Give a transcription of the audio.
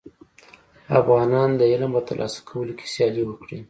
افغانان دي د علم په تر لاسه کولو کي سیالي وکړي.